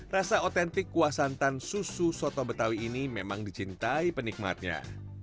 rasa otentik kuah santan susu soto betawi ini memang dicintai penikmatnya